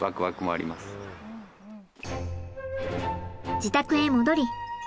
自宅へ戻り